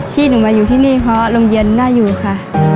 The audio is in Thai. ที่หนูมาอยู่ที่นี่เพราะโรงเรียนน่าอยู่ค่ะ